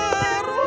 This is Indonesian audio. ya terus terus